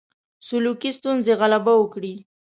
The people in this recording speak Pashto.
سلوکي ستونزو غلبه وکړي.